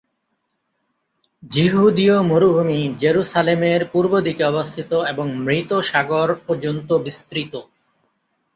যিহূদীয় মরুভূমি জেরুসালেমের পূর্বদিকে অবস্থিত এবং মৃত সাগর পর্যন্ত বিস্তৃত।